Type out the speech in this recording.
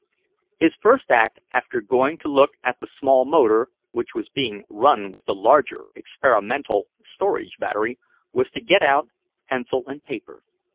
His first act, after going to look at the small motor, which was being run with the larger, experimental storage battery, was to get out pencil and paper.